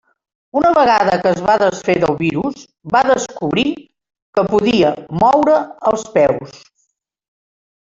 Una vegada que es va desfer del virus, va descobrir que podia moure els peus.